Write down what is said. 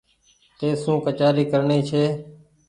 تيسو ڪچآري ڪرڻي ڇي